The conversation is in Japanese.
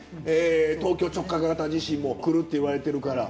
東京直下型地震も来るっていわれてるから。